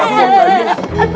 aduh aduh aduh